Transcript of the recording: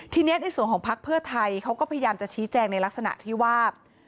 ทีนี้ในส่วนของพักเพื่อไทยเขาก็พยายามจะชี้แจงในลักษณะที่ว่า